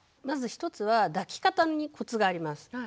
まず一つは抱き方にコツがあります。